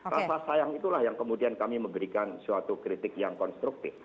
rasa sayang itulah yang kemudian kami memberikan suatu kritik yang konstruktif